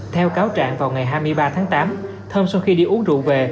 theo cáo trạng vào ngày hai mươi ba tháng tám thơm sau khi đi uống rượu về